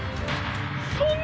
そんな。